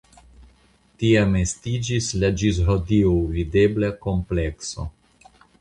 Tiam estiĝis la ĝis hodiaŭ videbla komplekso.